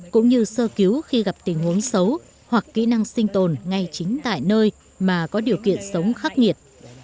cũng như sơ cứu khi gặp tình huống xấu hoặc kỹ năng sinh tồn ngay chính tại nơi mà có điều kiện sống khắc nghiệt